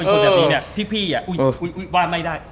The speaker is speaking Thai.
ตอนแรกไปด้วยกันโอ้ตอนแรกไปด้วยกันมาตลอดแล้วอยู่ดีทิ้งเขาดื้อเลย